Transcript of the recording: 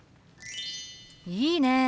いいね！